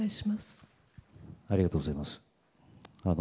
ありがとうございます。